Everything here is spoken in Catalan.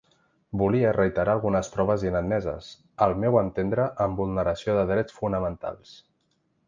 Volia reiterar algunes proves inadmeses, al meu entendre amb vulneració de drets fonamentals.